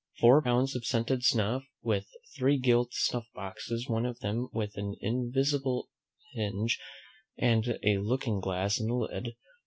Four pounds of scented snuff, with three gilt snuff boxes; one of them with an invisible hinge, and a looking glass in the lid.